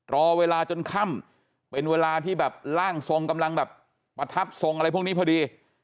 รอเวลาจนค่ำเป็นเวลาที่แบบร่างทรงกำลังแบบประทับทรงอะไรพวกนี้พอดี